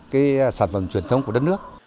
cái sản phẩm truyền thống của đất nước